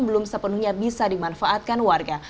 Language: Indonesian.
belum sepenuhnya bisa dimanfaatkan warga